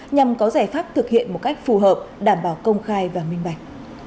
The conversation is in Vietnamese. nhằm có giải pháp thực hiện một cách phù hợp đảm bảo công khai và minh bạch